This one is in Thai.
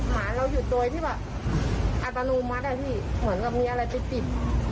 หมาเราหยุดโดยที่แบบอัตโนมัติอะพี่เหมือนกับมีอะไรไปติด